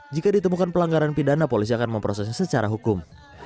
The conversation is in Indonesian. jika ditemukan pelanggaran pidana polisi akan memprosesnya secara hukum